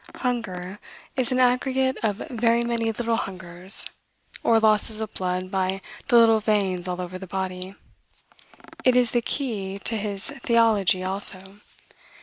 "Hunger is an aggregate of very many little hungers, or losses of blood by the little veins all over the body." It is the key to his theology, also.